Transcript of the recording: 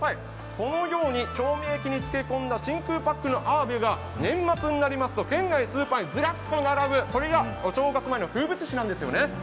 このように調味液に漬け込んだ真空パックのあわびが年末になりますと、県内スーパーにずらっと並ぶずらっと並ぶ、これがお正月前の風物詩なんですよね。